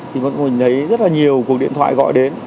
thì bọn mình thấy rất là nhiều cuộc điện thoại gọi đến